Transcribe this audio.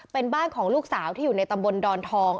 เป็นบ้านของลูกสาวที่อยู่ในตำบลดอนทอง